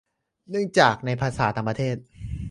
เนื่องจากในภาษาต่างประเทศ